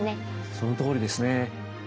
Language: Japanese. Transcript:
そのとおりですね。